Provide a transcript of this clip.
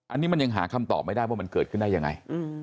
อันนี้มันยังหาคำตอบไม่ได้ว่ามันเกิดขึ้นได้ยังไง